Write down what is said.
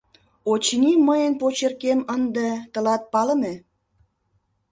Очыни, мыйын почеркем ынде тылат палыме.